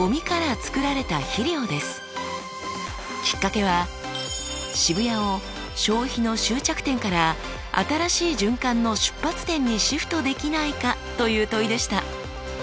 きっかけは「渋谷を消費の終着点から新しい循環の出発点にシフトできないか？」という問いでした。